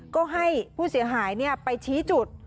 ก็ให้ผู้เสียหายไปชี้จุด